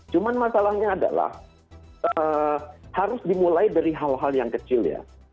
cuma masalahnya adalah harus dimulai dari hal hal yang kecil ya